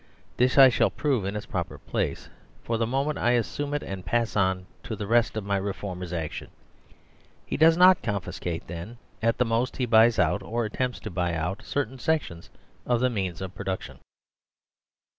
This I shall prove in its proper place. For the moment I assume it and pass on to the rest of my reformer's action. 123 THE SERVILE STATE He does not confiscate, then ; at the most he " buys out" (or attempts to "buy out") certain sections of the means of production.